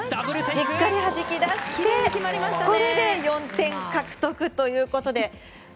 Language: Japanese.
しっかりはじき出して４点獲得ということで。